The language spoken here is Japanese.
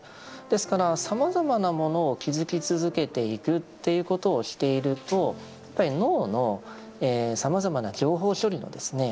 ですからさまざまなものを気づき続けていくということをしているとやっぱり脳のさまざまな情報処理のですね